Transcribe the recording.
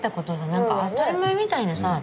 何か当たり前みたいにさ。